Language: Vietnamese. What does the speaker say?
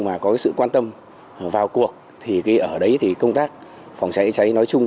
mà có cái sự quan tâm vào cuộc thì ở đấy thì công tác phòng cháy cháy nói chung